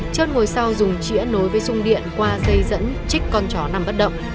trơn ngồi sau dùng chĩa nối với sung điện qua dây dẫn trích con chó nằm bất động